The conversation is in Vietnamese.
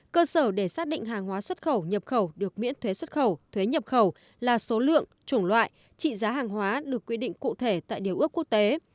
cơ sở để xác định hàng hóa xuất khẩu nhập khẩu được miễn thuế xuất khẩu thuế nhập khẩu là số lượng chủng loại trị giá hàng hóa được quy định cụ thể tại điều ước quốc tế